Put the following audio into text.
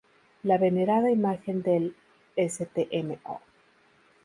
La venerada Imagen del Stmo.